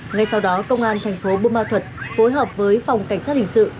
ngay sau đó công an thành phố bù ma thuật phối hợp với phòng cảnh sát hình sự